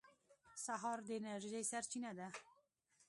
سهار د انرژۍ سرچینه ده.